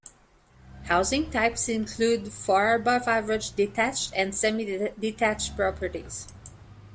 Housing types include far above average detached and semi-detached properties.